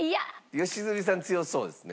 良純さん強そうですね。